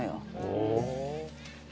お。